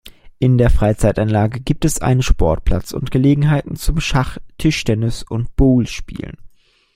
In der Freizeitanlage gibt es einen Sportplatz und Gelegenheiten zum Schach-, Tischtennis- und Boule-Spielen.